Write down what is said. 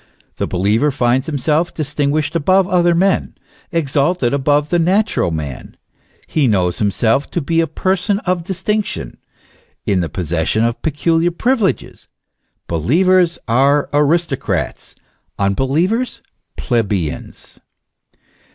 The believer finds himself distinguished above other men, exalted above the natural man ; he knows himself to be a person of distinction, in the possession of peculiar pri vileges ; believers are aristocrats, unbelievers plebeians.